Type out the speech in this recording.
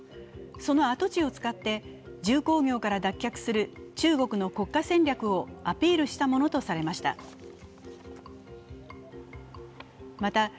その跡地を使って重工業から脱却する中国の国家戦略をアピールしたものとされました。